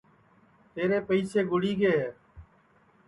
تیرے پئیسے گُڑی گے ہے